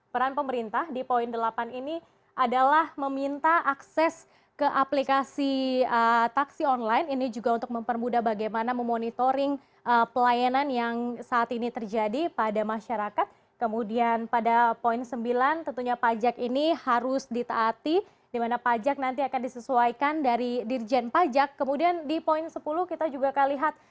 peran pemerintah di poin delapan ini adalah meminta akses ke aplikasi taksi online ini juga untuk mempermudah bagaimana memonitoring pelayanan yang saat ini terjadi pada masyarakat kemudian pada poin sembilan tentunya pajak ini harus ditaati dimana pajak nanti akan disesuaikan dari dirjen pajak kemudian di poin sepuluh kita juga akan lihat